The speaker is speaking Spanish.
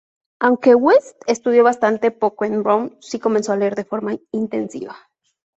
Aunque West estudió bastante poco en Brown, sí comenzó a leer de forma intensiva.